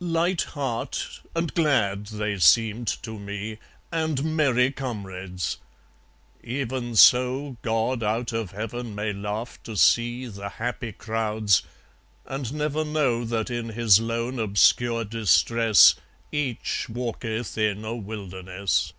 Light heart and glad they seemed to me And merry comrades (EVEN SO GOD OUT OF HEAVEN MAY LAUGH TO SEE THE HAPPY CROWDS; AND NEVER KNOW THAT IN HIS LONE OBSCURE DISTRESS EACH WALKETH IN A WILDERNESS).